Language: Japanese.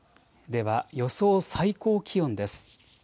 では予想最高気温です。